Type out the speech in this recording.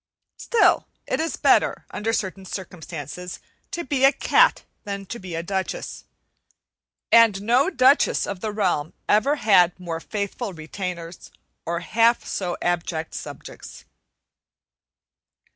Still it is better, under certain circumstances, to be a cat than to be a duchess. And no duchess of the realm ever had more faithful retainers or half so abject subjects.